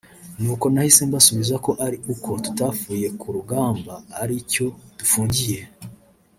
n’uko nahise mbasubiza ko ari uko tutapfuye ku urugamba ari cyo dufungiye